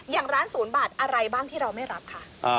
อย่างร้าน๐บาทอะไรบ้างที่เราไม่รับคะ